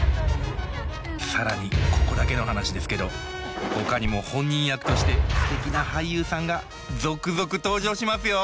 更にここだけの話ですけどほかにも本人役としてすてきな俳優さんが続々登場しますよ。